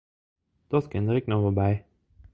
Dat kin der ek noch wol by.